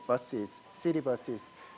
dari brand lain